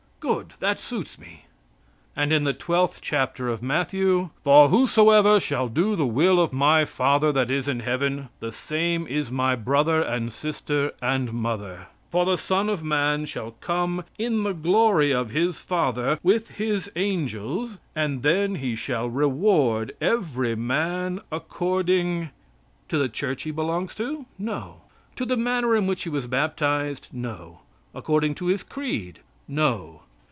Good! That suits me! And in the twelfth chapter of Matthew: "For whosoever shall do the will of my Father that is in Heaven, the same is my brother and sister and mother. For the Son of Man shall come in the glory of His Father with His angels, and then He shall reward every man according " To the church he belongs to? No. To the manner in which he was baptized? No. According to his creed? No.